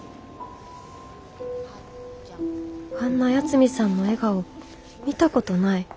あんな八海さんの笑顔見たことない。